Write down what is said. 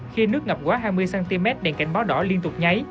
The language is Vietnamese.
khi nước ngập quá hai mươi cm đèn cảnh báo đỏ liên tục nháy